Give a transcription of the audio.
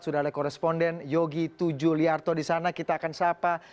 sudah ada koresponden yogi tujuliarto di sana kita akan sapa